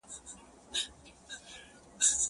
د طبیب عقل کوټه سو مسیحا څخه لار ورکه!!